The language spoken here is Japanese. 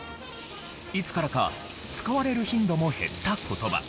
いつからか使われる頻度も減った言葉。